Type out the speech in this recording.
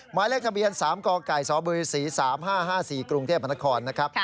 หมายเลขทะเบียน๓กไก่สบ๔๓๕๕๔กรุงเทพมนครนะครับ